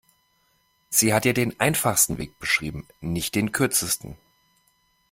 Sie hat dir den einfachsten Weg beschrieben, nicht den kürzesten.